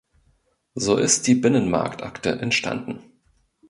So ist die Binnenmarktakte entstanden.